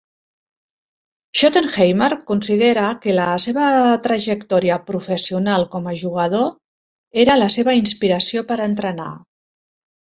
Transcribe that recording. Schottenheimer considera que la seva trajectòria professional com a jugador era la seva inspiració per entrenar.